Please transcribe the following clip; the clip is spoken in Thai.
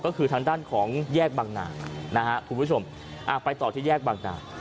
ก็คือทางด้านของแยกบางนานะฮะคุณผู้ชมไปต่อที่แยกบางนา